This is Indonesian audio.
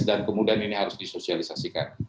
dan kemudian ini harus disosialisasikan